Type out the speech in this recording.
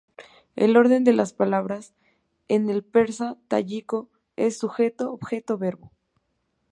El orden de las palabras en el persa tayiko es sujeto-objeto-verbo.